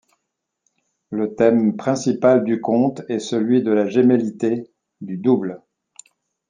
Le thème principal du conte est celui de la gémellité, du double.